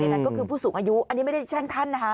นั่นก็คือผู้สูงอายุอันนี้ไม่ได้แช่งท่านนะคะ